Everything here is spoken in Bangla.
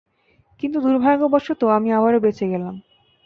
কিন্তু দূর্ভাগ্যবশত, আমি আবারও বেঁচে গেলাম।